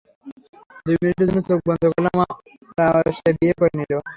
দুই মিনিটের জন্য চোখ বন্ধ করলাম আর সে বিয়ে করে নিল।